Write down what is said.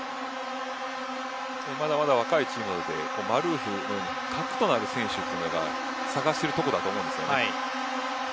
まだまだ若いチームなのでマルーフ核となる選手というのを探しているところだと思うんですよね。